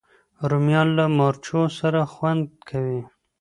رومیان له مرچو سره خوند کوي